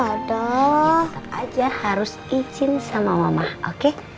ya tetep aja harus izin sama mama oke